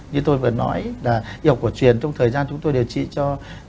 như tôi vừa nói là y học cổ truyền trong thời gian chúng tôi điều trị cho